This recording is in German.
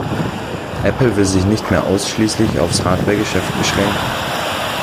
Apple will sich nicht mehr ausschließlich auf's Hardware-Geschäft beschränken.